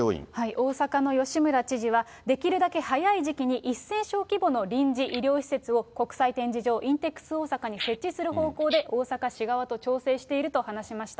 大阪の吉村知事は、できるだけ早い時期に１０００床規模の臨時医療施設を国際展示場、インテックス大阪に設置する方向で大阪市側と調整していると話しました。